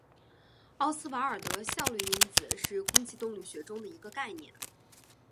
奥斯瓦尔德效率因子是空气动力学中的一个概念。